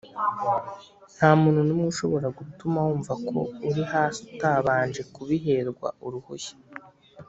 ntamuntu numwe ushobora gutuma wumva ko uri hasi utabanje kubiherwa uruhushya.